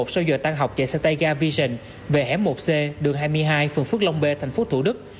sau giờ tan học chạy xe tay ga vision về hẻm một c đường hai mươi hai phường phước long b thành phố thủ đức